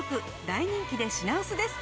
大人気で品薄です。